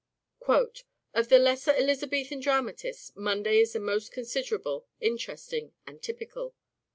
" Of the lesser Elizabethan dramatists Munday is the most considerable, interesting and typical."